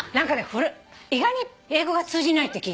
意外に英語が通じないって聞いた。